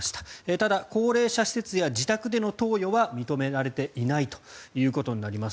ただ高齢者施設や自宅での投与は認められていないということになります。